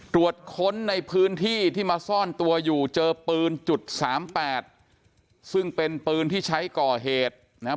ตรวจค้นในพื้นที่ที่มาซ่อนตัวอยู่เจอปืนจุดสามแปดซึ่งเป็นปืนที่ใช้ก่อเหตุนะครับ